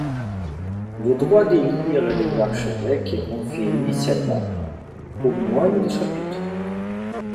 Le droit d'élire les archevêques est confié initialement aux moines du chapitre.